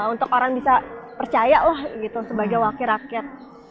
untuk orang bisa percaya lah gitu sebagai wakil rakyat